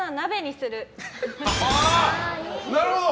なるほど！